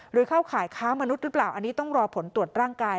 เข้าข่ายค้ามนุษย์หรือเปล่าอันนี้ต้องรอผลตรวจร่างกาย